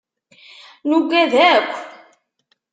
Nugad akk.